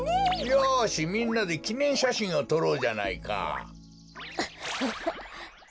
よしみんなできねんしゃしんをとろうじゃないか！